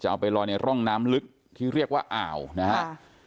เอาไปลอยในร่องน้ำลึกที่เรียกว่าอ่าวนะครับ